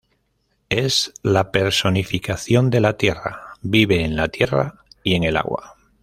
Es la personificación de la tierra, vive en la tierra y en el agua.